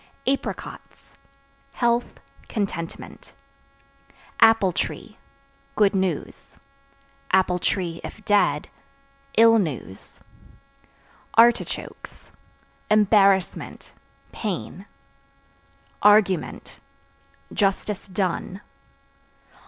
Apricots Health, contentment. Apple Tree Good news; (if dead) ill news. Artichokes Embarrassment, pain. Argument Justice done.